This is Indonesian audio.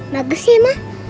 bagus ya mah